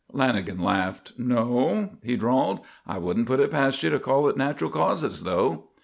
Lanagan laughed. "No?" he drawled. "I wouldn't put it past you to call it natural causes, though."